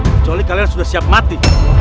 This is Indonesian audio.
kecuali kalian sudah siap mati